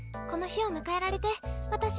この日を迎えられて私